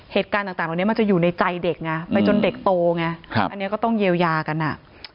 เหตุการณ์ต่างเหล่านี้มันจะอยู่ในใจเด็กไงไปจนเด็กโตไงอันนี้ก็ต้องเยียวยากันอ่ะ